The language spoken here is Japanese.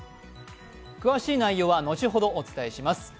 詳しい内容は後ほどお伝えします。